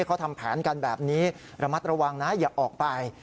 เขาทำแผนกันแบบนี้ระมัดระวังนะอย่าออกไป